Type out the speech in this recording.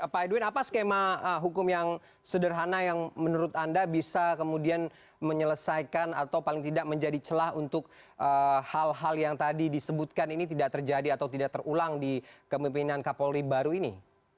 pak edwin apa skema hukum yang sederhana yang menurut anda bisa kemudian menyelesaikan atau paling tidak menjadi celah untuk hal hal yang tadi disebutkan ini tidak terjadi atau tidak terulang di kemimpinan kapolri baru ini